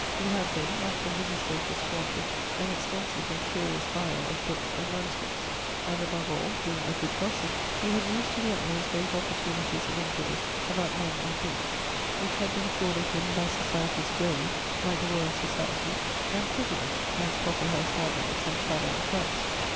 He had been, until his estate was squandered, an extensive and curious buyer of books and MSS. And above all, being a good gossip, he had used to the utmost those opportunities of inquiry about men and things which had been afforded him by societies grave, like the Royal Society, and frivolous, as coffee house gatherings and tavern clubs.